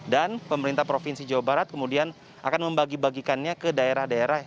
dan pemerintah provinsi jawa barat kemudian akan membagi bagikannya ke daerah daerah